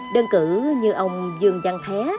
đơn cử như ông dương văn thé